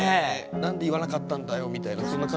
何で言わなかったんだよみたいなそんな感じ？